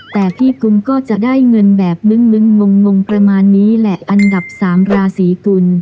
แต่พี่กุมก็จะได้เงินแบบลึงงประมาณนี้แหละอันดับสามราศีกุล